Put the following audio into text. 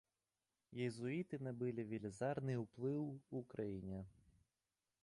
Езуіты набылі велізарны ўплыў у краіне.